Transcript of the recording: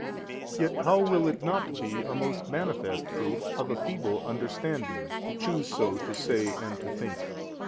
A. Yet how will it not be a most manifest proof of a feeble understanding, to choose so to say and to think?